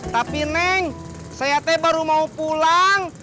tapi neng saya teh baru mau pulang